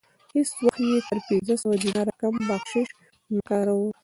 هیڅ وخت یې تر پنځه سوه دیناره کم بخشش نه کاوه.